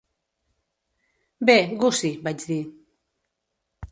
"Bé, Gussie", vaig dir.